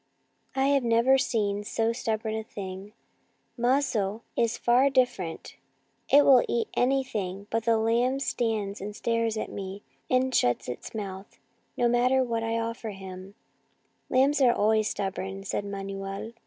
I have never seen so stubborn a thing. Mazo is far differ 87 88 Our Little Spanish Cousin ent. It will eat anything at all, but the lamb stands and stares at me, and shuts its mouth, no matter what I offer him." " Lambs are always stubborn/' said Manuel.